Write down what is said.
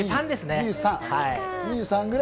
２３ですね。